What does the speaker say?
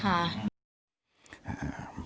ใช่ค่ะ